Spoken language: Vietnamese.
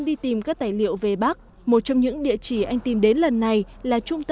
ph mr crushed poder không cho con thì kurumien vkj